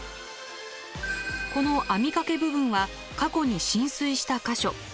この網掛け部分は過去に浸水した箇所。